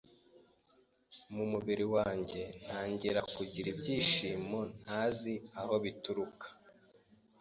mu mubiri wanjye, ntangira kugira ibyishimo ntazi aho bituruka